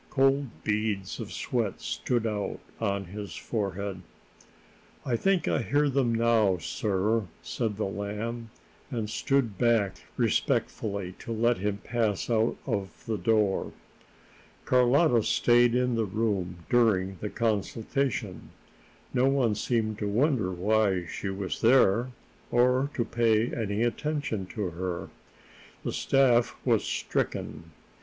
Cold beads of sweat stood out on his forehead. "I think I hear them now, sir," said the Lamb, and stood back respectfully to let him pass out of the door. Carlotta stayed in the room during the consultation. No one seemed to wonder why she was there, or to pay any attention to her. The staff was stricken.